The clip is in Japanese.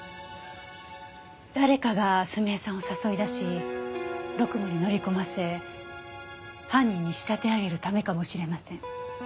誰かが澄江さんを誘い出しろくもんに乗り込ませ犯人に仕立て上げるためかもしれません。